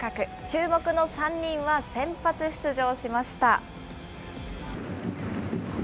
注目の３人は先発出場しました。